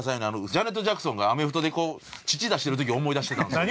ジャネット・ジャクソンがアメフトでこう乳出してるとき思い出してたんですよ。